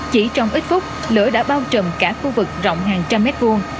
chỉ trong ít phút lửa đã bao trùm cả khu vực rộng hàng trăm mét vuông